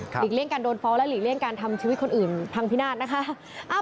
เลี่ยงการโดนฟ้องและหลีกเลี่ยงการทำชีวิตคนอื่นพังพินาศนะคะ